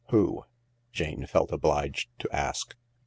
" Who ?" Jane felt obliged to ask.